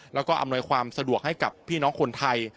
แล้วก็อำนวยความสะดวกให้กับพี่น้องคนไทย